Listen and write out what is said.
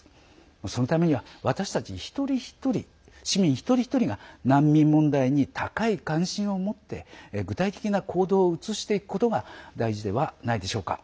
そのためには私たち一人一人、市民が難民問題に高い関心を持って具体的な行動に移していくことが大事ではないでしょうか。